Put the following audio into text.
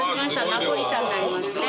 ナポリタンになりますね。